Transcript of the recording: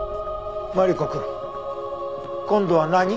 マリコくん今度は何？